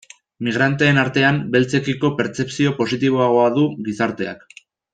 Migranteen artean, beltzekiko pertzepzio positiboagoa du gizarteak.